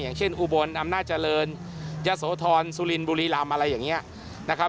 อย่างเช่นอุบลอำนาจเจริญยะโสธรสุรินบุรีรำอะไรอย่างนี้นะครับ